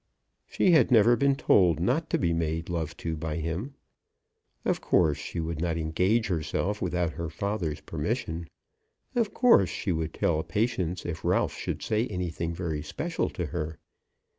She had never been told not to be made love to by him. Of course she would not engage herself without her father's permission. Of course she would tell Patience if Ralph should say anything very special to her.